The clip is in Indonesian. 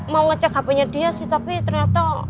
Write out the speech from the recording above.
mau ngecek hpnya dia sih tapi ternyata